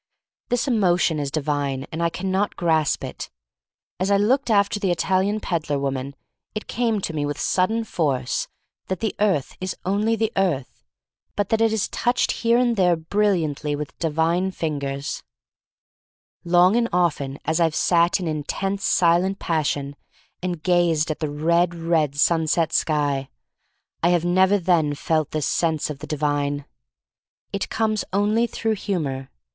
This emotion is divine, and I can not grasp it. As I looked after the Italian peddler woman it came to me with sudden force that the earth is only the earth, but that it is touched here and there bril liantly with divine fingers. 3IO THE STORY OF MARY MAC LANE Long and often as I've sat in intense silent passion and gazed at the red, red sunset sky, I have never then felt this sense of the divine. It comes only through humor.